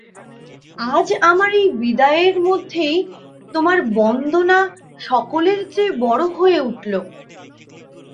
আজ আমার এই বিদায়ের মধ্যেই তোমার বন্দনা সকলের চেয়ে বড়ো হয়ে উঠল।